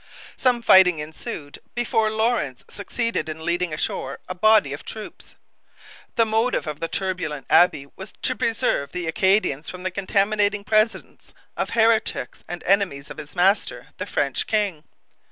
Some fighting ensued before Lawrence succeeded in leading ashore a body of troops. The motive of the turbulent abbe was to preserve the Acadians from the contaminating presence of heretics and enemies of his master, the French king.